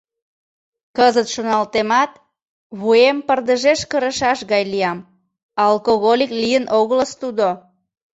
Кызыт шоналтемат, вуем пырдыжеш кырышаш гай лиям: алкоголик лийын огылыс тудо.